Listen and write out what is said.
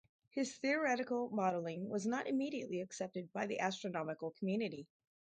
His theoretical modeling was not immediately accepted by the astronomical community.